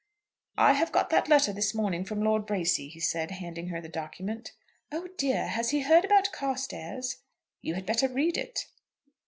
"I have got that letter this morning from Lord Bracy," he said, handing her the document. "Oh dear! Has he heard about Carstairs?" "You had better read it."